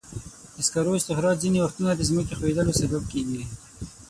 د سکرو استخراج ځینې وختونه د ځمکې ښویېدلو سبب کېږي.